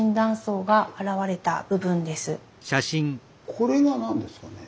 これが何ですかね？